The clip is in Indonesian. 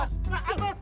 kita kejar bos